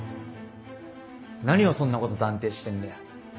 何をそんなこと断定してんだよ。